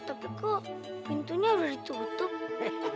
tapi kok pintunya udah ditutup